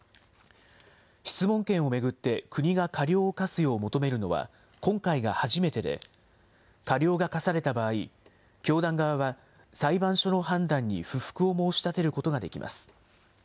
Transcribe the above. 質問権を巡って国が過料を科すよう求めるのは、今回が初めてで、過料が科された場合、教団側は裁判所の判断に不服を申し立てることができます。